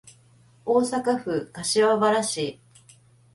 大阪府柏原市